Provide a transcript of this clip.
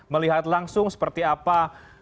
melihat langsung seperti apa